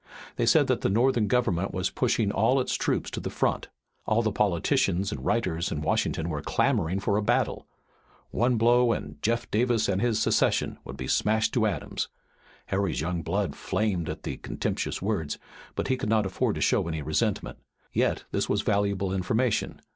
They said that the Northern government was pushing all its troops to the front. All the politicians and writers in Washington were clamoring for a battle. One blow and "Jeff Davis and Secession" would be smashed to atoms. Harry's young blood flamed at the contemptuous words, but he could not afford to show any resentment. Yet this was valuable information.